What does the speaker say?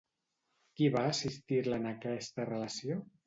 Qui va assistir-la en aquesta relació?